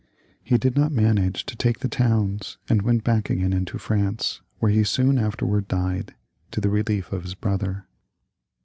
He did not manage to take the towns, and went back again into France, where he soon after died, to the relief of his brother.